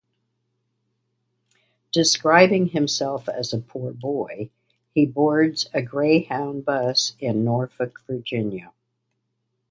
Describing himself as a "poor boy," he boards a Greyhound bus in Norfolk, Virginia.